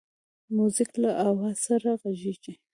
موزیک له آواز سره غږیږي.